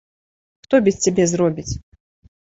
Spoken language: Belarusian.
Хто без цябе зробіць?